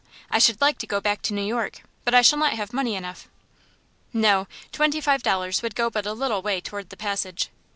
I should like to go back to New York, but I shall not have money enough." "No; twenty five dollars would go but a little way toward the passage.